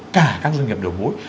cả các doanh nghiệp đầu mối